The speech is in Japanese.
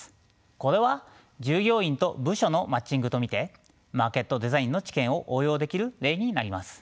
これは従業員と部署のマッチングとみてマーケットデザインの知見を応用できる例になります。